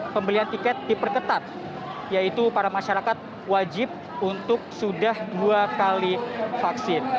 pembelian tiket diperketat yaitu para masyarakat wajib untuk sudah dua kali vaksin